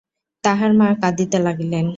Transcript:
তাহার মা কাঁদিতে লাগিলেন।